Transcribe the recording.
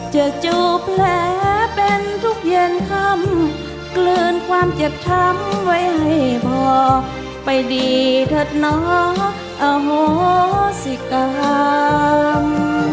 จูบแผลเป็นทุกเย็นคำกลืนความเจ็บช้ำไว้ให้พอไปดีเถิดน้องอโหสิกรรม